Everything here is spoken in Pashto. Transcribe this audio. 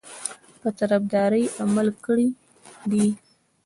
په طرفداري عمل کړی دی.